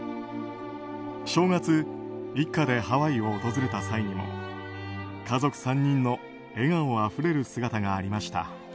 正月、一家でハワイを訪れた際にも家族３人の笑顔あふれる姿がありました。